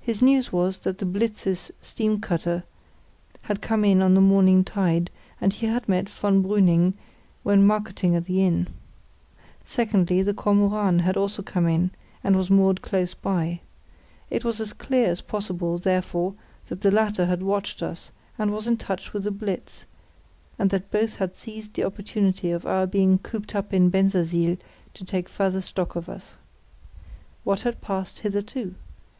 His news was that the Blitz's steam cutter had come in on the morning tide, and he had met von Brüning when marketing at the inn. Secondly, the Kormoran had also come in, and was moored close by. It was as clear as possible, therefore, that the latter had watched us, and was in touch with the Blitz, and that both had seized the opportunity of our being cooped up in Bensersiel to take further stock of us. What had passed hitherto?